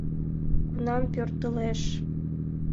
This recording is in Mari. — Кунам пӧртылеш?